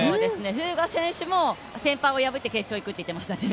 風雅選手も先輩を破って決勝にいくって言っていましたね。